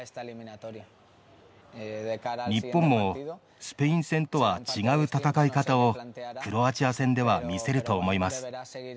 日本もスペイン戦とは違う戦い方をクロアチア戦では見せると思います。